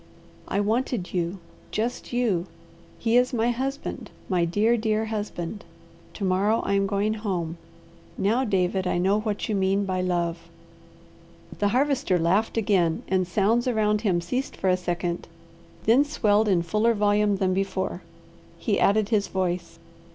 "I wanted you! Just you! He is my husband! My dear, dear husband! To morrow I am going home! Now, David, I know what you mean by love!" The Harvester laughed again and sounds around him ceased for a second, then swelled in fuller volume than before. He added his voice.